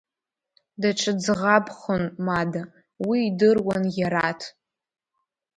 Даҽа ӡӷабхон Мада, уи идыруан Иараҭ.